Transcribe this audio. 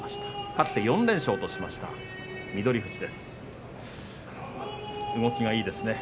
勝って４連勝としました翠富士です。